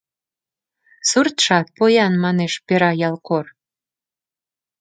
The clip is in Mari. Суртшат поян», — манеш «Пера» ялкор.